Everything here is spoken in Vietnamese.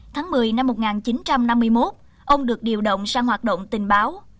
tháng một mươi năm một nghìn chín trăm năm mươi một ông được điều động sang hoạt động tình báo